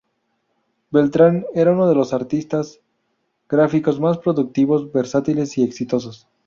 Beltrán era uno de los artistas gráficos más productivos, versátiles y exitosos.